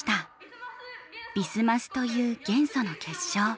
「ビスマス」という元素の結晶。